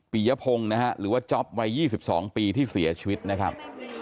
ยพงศ์นะฮะหรือว่าจ๊อปวัย๒๒ปีที่เสียชีวิตนะครับ